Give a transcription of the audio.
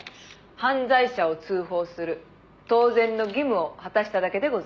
「犯罪者を通報する」「当然の義務を果たしただけでございます」